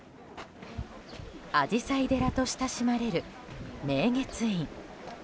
あじさい寺と親しまれる明月院。